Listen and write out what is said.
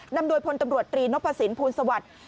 นำโดยพลตำรวจตรีนพสินภูลสวัสดิ์